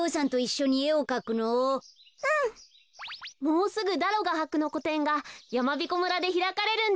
もうすぐダロがはくのこてんがやまびこ村でひらかれるんですよね。